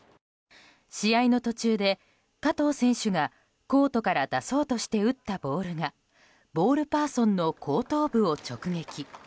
試合の途中で、加藤選手がコートから出そうとして打ったボールがボールパーソンの後頭部を直撃。